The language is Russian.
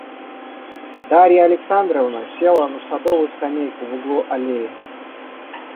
Дарья Александровна села на садовую скамейку в углу аллеи.